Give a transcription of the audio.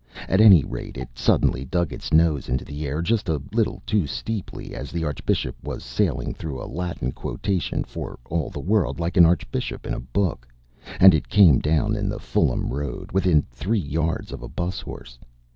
At any rate, it suddenly dug its nose into the air just a little too steeply as the archbishop was sailing through a Latin quotation for all the world like an archbishop in a book, and it came down in the Fulham Road within three yards of a 'bus horse.